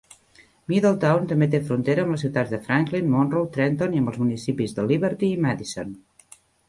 Middletown també té frontera amb les ciutats de Franklin, Monroe, Trenton i amb els municipis de Liberty i Madison.